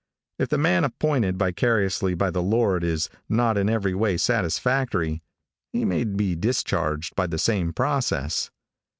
If the man appointed vicariously by the Lord is not in every way satisfactory, he may be discharged by the same process.